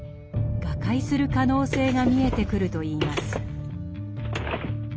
瓦解する可能性が見えてくるといいます。